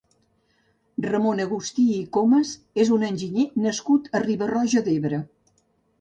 Ramon Agustí i Comes és un enginyer nascut a Riba-roja d'Ebre.